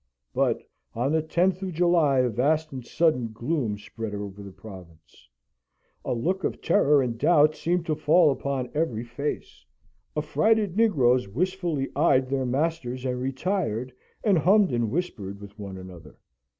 But on the 10th of July a vast and sudden gloom spread over the province. A look of terror and doubt seemed to fall upon every face. Affrighted negroes wistfully eyed their masters and retired, and hummed and whispered with one another.